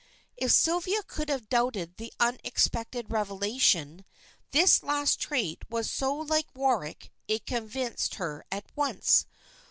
If Sylvia could have doubted the unexpected revelation, this last trait was so like Warwick it convinced her at once.